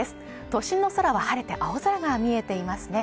都心の空は晴れて青空が見えていますね